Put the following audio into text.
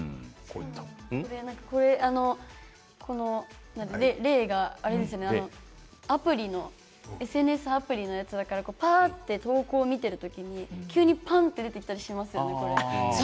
この例がＳＮＳアプリのやつだから情報を見てる時に急にぱんと出てきたりしますよね。